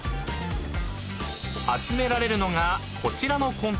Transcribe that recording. ［集められるのがこちらのコンテナ］